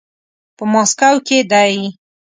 په ماسکو کې دی.